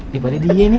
dibanding dia nih